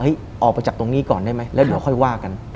ออกไปจากตรงนี้ก่อนได้ไหมแล้วเดี๋ยวค่อยว่ากัน